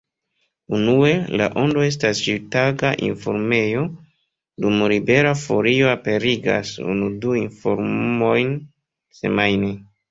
Unue, La Ondo estas ĉiutaga informejo, dum Libera Folio aperigas unu-du informojn semajne.